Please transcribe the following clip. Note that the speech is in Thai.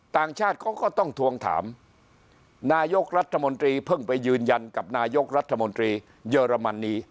ต่างชาติเขาก็ต้องทวงถามนายกรัฐมนตรีเพิ่งไปยืนยันกับนายกรัฐมนตรีเยอรมนี